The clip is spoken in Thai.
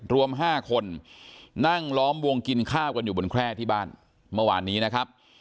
รวม๕คนนั่งล้อมวงกินข้าวกันอยู่บนแคร่ที่บ้านเมื่อวานนี้นะครับ